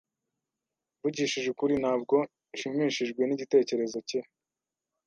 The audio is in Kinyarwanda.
Mvugishije ukuri, ntabwo nshimishijwe nigitekerezo cye.